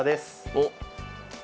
おっ。